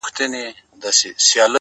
دې يوه لمن ښكلا په غېږ كي ايښې ده _